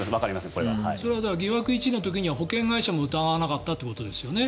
それは疑惑１の時は保険会社も疑わなかったということだよね。